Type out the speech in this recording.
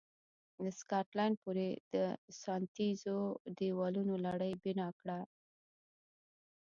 د سکاټلند پورې د ساتنیزو دېوالونو لړۍ بنا کړه.